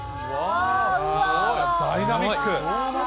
ダイナミック。